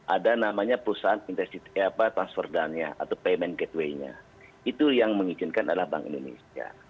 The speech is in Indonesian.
ada namanya perusahaan transfer dana atau payment gateway nya itu yang mengizinkan adalah bank indonesia